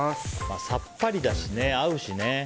さっぱりだしね合うしね。